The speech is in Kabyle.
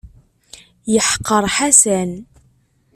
Yeḥqer Ḥasan.